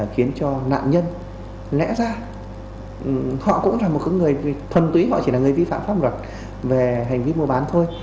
khiến cho nạn nhân lẽ ra họ cũng là một người thuần túy họ chỉ là người vi phạm pháp luật về hành vi mua bán thôi